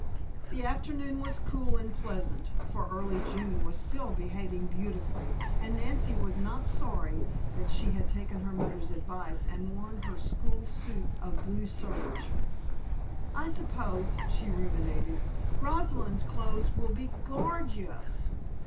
The afternoon was cool and pleasant, for early June was still behaving beautifully, and Nancy was not sorry that she had taken her mother's advice and worn her school suit of blue serge. "I suppose," she ruminated, "Rosalind's clothes will be gor gee ous."